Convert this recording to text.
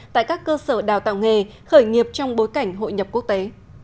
tại các cơ sở đào tạo nghề khởi nghiệp trong bối cảnh hội nhập quốc tế